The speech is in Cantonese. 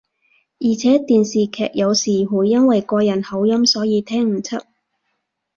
而且電視劇有時會因為個人口音所以聽唔出